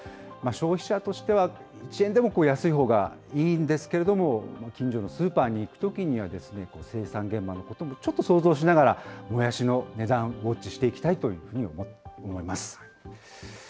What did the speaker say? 消費者としては、１円でも安いほうがいいんですけれども、近所のスーパーに行くときには、生産現場のこともちょっと想像しながら、もやしの値段、ウォッチしていきたいというふうに思います。